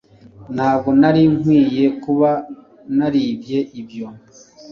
Ntabwo nari nkwiye kuba naribye ibyo